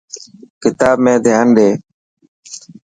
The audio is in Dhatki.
ڪتاب ۾ ڌيان ڏي.